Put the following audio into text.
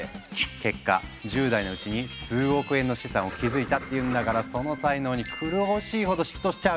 結果１０代のうちに数億円の資産を築いたっていうんだからその才能に狂おしいほど嫉妬しちゃうよね！